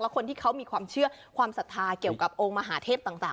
คนที่เขามีความเชื่อความศรัทธาเกี่ยวกับองค์มหาเทพต่าง